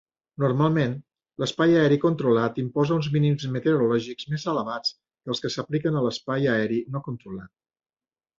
Normalment, l'espai aeri controlat imposa uns mínims meteorològics més elevats que els que s'apliquen a l'espai aeri no controlat.